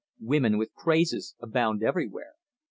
Women with crazes abound everywhere.